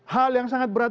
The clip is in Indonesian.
hal yang sangat berat